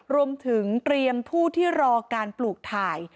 รวมถึงเตรียมผู้ที่รอการปลูกถ่าย